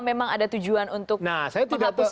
memang ada tujuan untuk menghapuskan